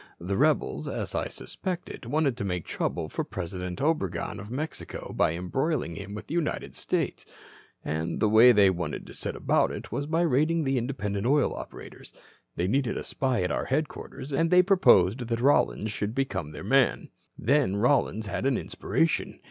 The rebels, as I suspected, wanted to make trouble for President Obregon, of Mexico, by embroiling him with the United States. And the way they wanted to set about it was by raiding the independent oil operators. They needed a spy at our headquarters, and they proposed that Rollins should become their man. "Then Rollins had an inspiration.